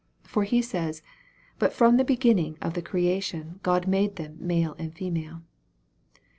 For He says, " But from the beginning of the creation God made them male and female."